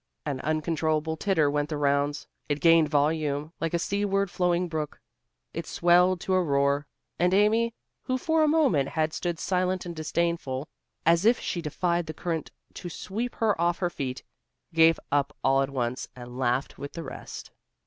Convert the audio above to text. An uncontrollable titter went the rounds. It gained volume, like a seaward flowing brook. It swelled to a roar. And Amy, who for a moment had stood silent and disdainful, as if she defied the current to sweep her off her feet, gave up all at once, and laughed with the rest.